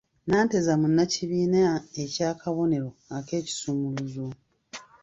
Nanteza munnakibiina eky'akabonero ak'ekisumuluzo.